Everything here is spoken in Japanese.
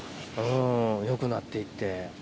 うんよくなって行って。